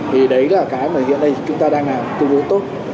thì đấy là cái mà hiện nay chúng ta đang tương đối tốt